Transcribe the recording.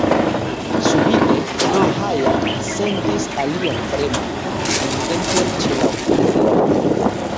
Subite, Maĥiac sentis alian premon, nuntempe ĉe la okuloj.